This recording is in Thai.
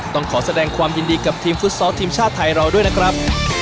ต้องขอแสดงความยินดีกับทีมฟุตซอลทีมชาติไทยเราด้วยนะครับ